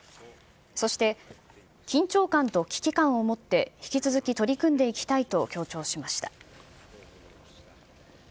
そして、緊張感と危機感を持って引き続き取り組んでいきたいと強調しました。